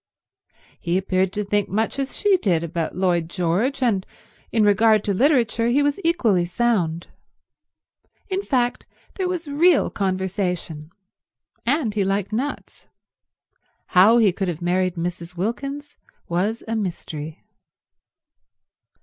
He appeared to think much as she did about Lloyd George, and in regard to literature he was equally sound. In fact there was real conversation, and he liked nuts. How he could have married Mrs. Wilkins was a mystery.